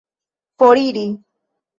foriri